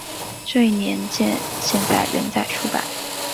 这一年鉴现在仍在出版。